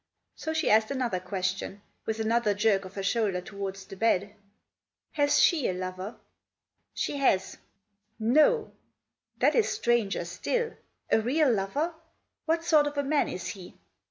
So she asked another question, with another jerk of her shoulder towards the bed. " Has she a lover?" « She has." * No 1 That is stranger still ! A real lover ? What sort of a man is he